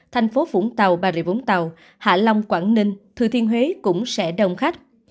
thành phố vũng tàu bà rịa vũng tàu hạ long quảng ninh thừa thiên huế cũng sẽ đông khách